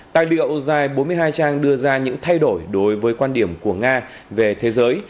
tài liệu dài bốn mươi hai trang đưa ra những thay đổi đối với quan điểm của nga về thế giới